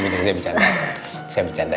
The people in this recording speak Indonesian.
bu dewi saya bercanda